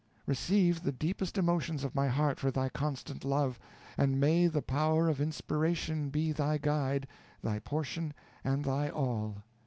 Receive the deepest emotions of my heart for thy constant love, and may the power of inspiration be thy guide, thy portion, and thy all.